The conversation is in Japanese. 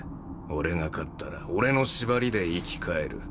俺が勝ったら俺の縛りで生き返る。